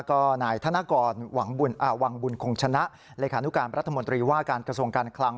ก็หน่ายธนกรวังบุญคงชนะรัฐมนตรีว่าการกระทรวงการคลัง